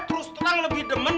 terus terang lebih demen